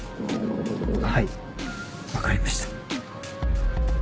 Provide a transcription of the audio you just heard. はい分かりました。